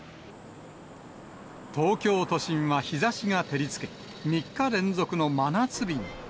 東京都心は日ざしが照りつけ、３日連続の真夏日に。